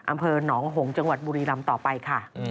อำเภอหนองหงษ์จังหวัดบุรีรำต่อไปค่ะ